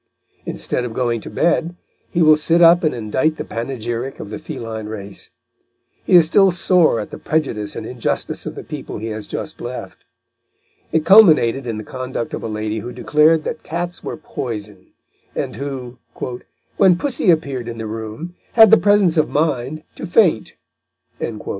Instead of going to bed he will sit up and indite the panegyric of the feline race. He is still sore at the prejudice and injustice of the people he has just left. It culminated in the conduct of a lady who declared that cats were poison, and who, "when pussy appeared in the room, had the presence of mind to faint."